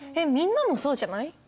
みんなもそうじゃない？